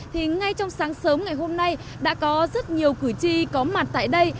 thì ngay trong sáng sớm ngày hôm nay đã có rất nhiều cử tri có mặt tại đây